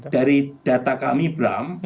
dari data kami bram